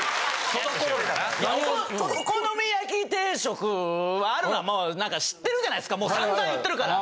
合お好み焼き定食はあるのはもう知ってるじゃないですかもうさんざん言ってるから。